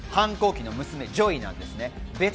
反抗期の娘・ジョイなんです。